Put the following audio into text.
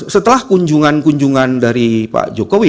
setelah kunjungan kunjungan dari pak jokowi